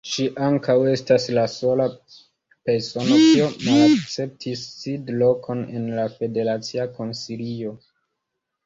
Ŝi ankaŭ estas la sola persono, kiu malakceptis sidlokon en la Federacia Konsilio.